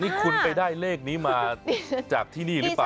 นี่คุณไปได้เลขนี้มาจากที่นี่หรือเปล่า